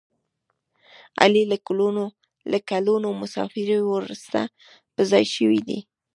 علي له کلونو مسافرۍ ورسته په ځای شوی دی.